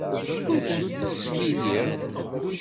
Ur tent-ttesliliɣ.